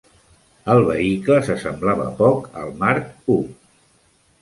El vehicle se semblava poc al Mark I.